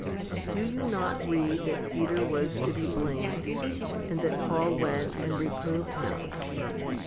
Do you not read that Peter was to be blamed? and that Paul went and reproved him.